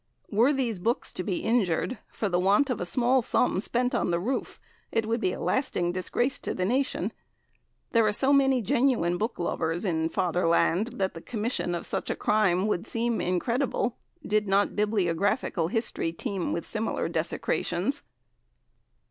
Were these books to be injured for the want of a small sum spent on the roof, it would be a lasting disgrace to the nation. There are so many genuine book lovers in Fatherland that the commission of such a crime would seem incredible, did not bibliographical history teem with similar desecrations.